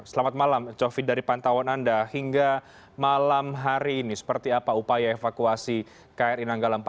selamat malam cofi dari pantauan anda hingga malam hari ini seperti apa upaya evakuasi kr inanggalan empat ratus dua